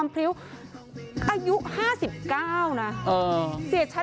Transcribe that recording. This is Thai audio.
เพื่อนนฤทธิ์มาเจอเสียชัด